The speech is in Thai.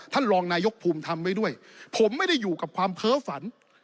ท่านรองนายกภูมิทำไว้ด้วยผมไม่ได้อยู่กับความเพ้อฝัน